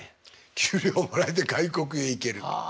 給料もらえて外国へ行ける。はあ。